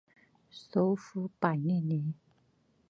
首府帕利尼。